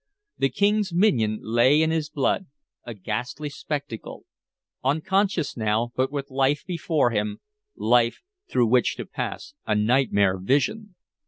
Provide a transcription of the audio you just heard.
The King's minion lay in his blood, a ghastly spectacle; unconscious now, but with life before him, life through which to pass a nightmare vision.